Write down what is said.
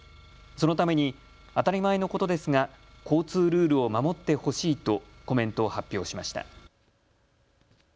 そのために当たり前のことですが交通ルールを守ってほしいとコメントを発表しました。